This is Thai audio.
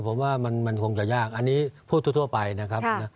ผมว่ามันมันคงจะยากอันนี้พูดทั่วทั่วไปนะครับค่ะ